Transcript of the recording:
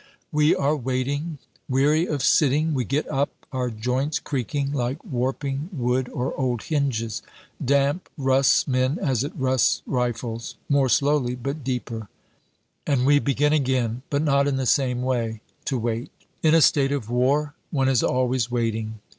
We are waiting. Weary of sitting, we get up, our joints creaking like warping wood or old hinges. Damp rusts men as it rusts rifles; more slowly, but deeper. And we begin again, but not in the same way, to wait. In a state of war, one is always waiting.